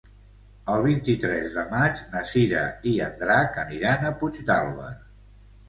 El vint-i-tres de maig na Cira i en Drac aniran a Puigdàlber.